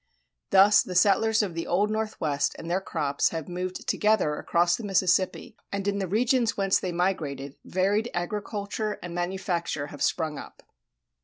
Thus the settlers of the Old Northwest and their crops have moved together across the Mississippi, and in the regions whence they migrated varied agriculture and manufacture have sprung up.